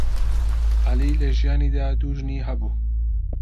عەلی لە ژیانیدا دوو ژنی هەبوو.